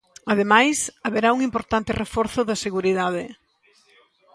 Ademais, haberá un importante reforzo da seguridade.